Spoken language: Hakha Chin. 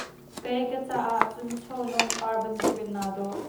Kei ka caah cun chawhnawn par bantuk in naa dawh.